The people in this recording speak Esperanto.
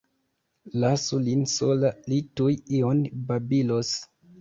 Lasu lin sola, li tuj ion babilos.